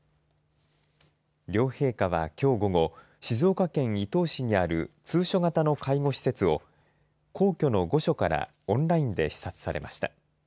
両陛下は、きょう午後静岡県伊東市にある通所型の介護施設を皇居の御所からオンラインで視察されました。